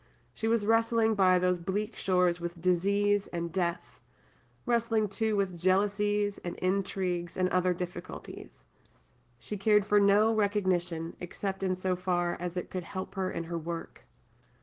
She was wrestling by those bleak shores with disease and death, wrestling, too, with jealousies and intrigues and other difficulties. She cared for no recognition, except in so far as it could help her in her work.